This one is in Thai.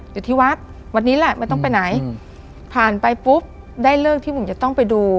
อยู่ที่วัดวัดนี้แหละไม่ต้องไปไหนผ่านไปปุ๊บได้เลิกที่ผมจะต้องไปดู